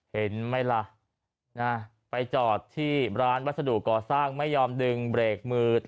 เห็นไหมล่ะไปจอดที่ร้านวัสดุก่อสร้างไม่ยอมดึงเบรกมือ